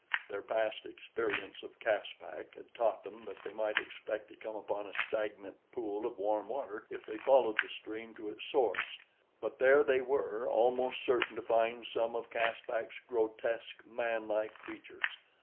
Their past experience of Caspak had taught them that they might expect to come upon a stagnant pool of warm water if they followed the stream to its source; but there they were almost certain to find some of Caspak's grotesque, manlike creatures.